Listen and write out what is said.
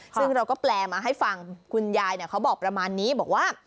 ซึ่งเราก็แปลมาให้ฟังคุณยายเขาบอกประมาณนี้บอกว่า